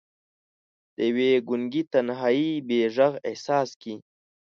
د یوې ګونګې تنهايۍ بې ږغ احساس کې